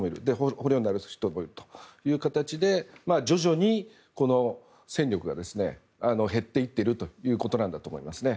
捕虜になる人もいるという形で徐々に戦力が減っていっているということなんだと思いますね。